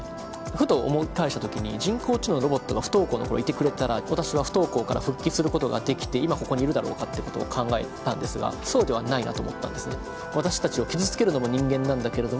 ふと思い返した時に人工知能のロボットが不登校の頃にいてくれたら私は不登校から復帰することができて今ここにいるだろうかってことを考えたんですがそうではないなと思ったんですね。